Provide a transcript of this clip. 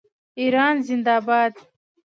ایران زنده باد.